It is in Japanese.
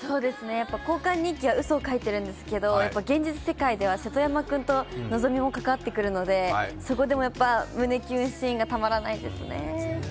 交換日記はウソを書いてるんですけど、現実では瀬戸山君と希美も関わってくるので、そこでの胸キュンシーンがたまらないんですね。